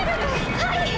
はい！